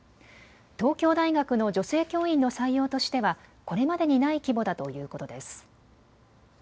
東京大学の女性教員の採用としてはこれまでにない規模だということです。